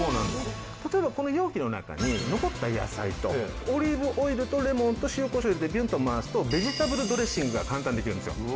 例えばこの容器の中に残った野菜とオリーブオイルとレモンと塩こしょう入れてビュンと回すとベジタブルドレッシングが簡単にできるんですよ。